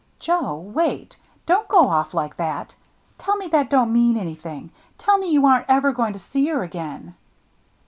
"Joe — wait — don't go off like that. Tell me that don't mean anything ! Tell me you aren't ever going to see her again